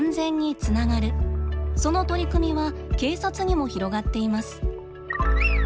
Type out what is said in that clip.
その取り組みは警察にも広がっています。